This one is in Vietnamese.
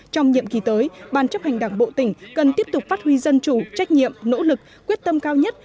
trong nhiệm kỳ tới ban chấp hành đảng bộ tỉnh cần tiếp tục phát huy dân chủ trách nhiệm nỗ lực quyết tâm cao nhất